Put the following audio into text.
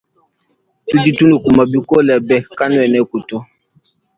Tudi tunukuma bikole be kanuenaku to.